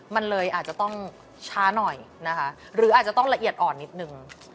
มันเลยอาจจะต้องช้าหน่อยนะคะหรืออาจจะต้องละเอียดอ่อนนิดนึง